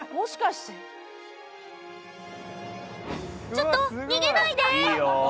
ちょっと逃げないで！